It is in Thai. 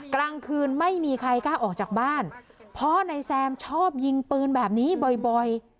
กลางคืนไม่มีใครกล้าออกจากบ้านเพราะนายแซมชอบยิงปืนแบบนี้บ่อย